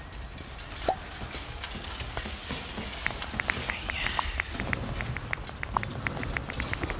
いやいや。